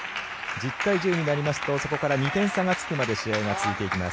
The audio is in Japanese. １０対１０になりますとそこから２点差がつくまで試合が続いていきます。